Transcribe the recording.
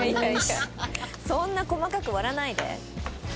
そんな細かく割らないで。